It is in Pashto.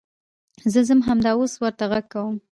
زه ځم همدا اوس ورته غږ کوم .